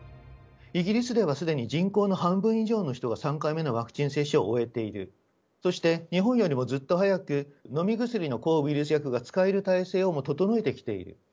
イギリスではすでに人口の半分以上の人が３回目のワクチン接種を終えている、そして日本よりもずっと早く飲み薬の抗ウイルス薬が使える体制を整えてきている。